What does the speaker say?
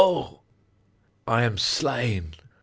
I am slain.